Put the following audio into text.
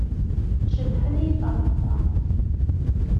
Cebḥen yiferṭeṭṭa.